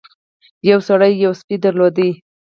یو سړي یو سپی درلود.